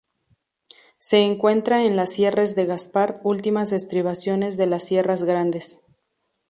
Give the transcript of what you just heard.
Se encuentra en las Sierras de Gaspar, últimas estribaciones de las Sierras Grandes.